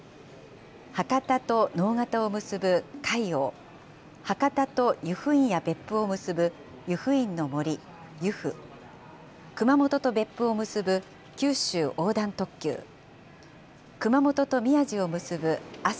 博多と直方を結ぶかいおう、博多と湯布院や別府を結ぶゆふいんの森、ゆふ、熊本と別府を結ぶ九州横断特急、熊本と宮地を結ぶあ